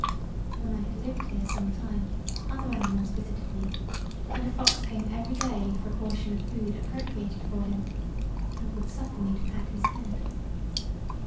When I had lived here some time other animals visited me and a fox came every day for a portion of food appropriated for him & would suffer me to pat his head.